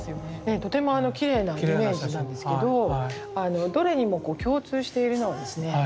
とてもきれいなイメージなんですけどどれにも共通しているのはですね